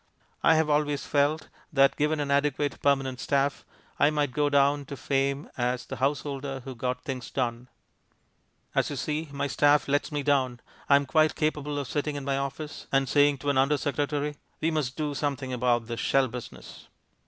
I have always felt that, given an adequate permanent staff, I might go down to fame as the householder who got things done. As you see, my staff lets me down. I am quite capable of sitting in my office and saying to an under secretary, "We must do something about this shell business."